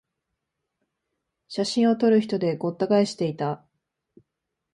写真を撮る人でごった返していた